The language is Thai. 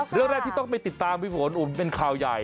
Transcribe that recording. เรื่องแรกที่ต้องไปติดตามพี่ฝนเป็นข่าวใหญ่